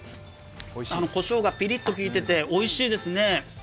こしょうがピリッときいてておいしいですね。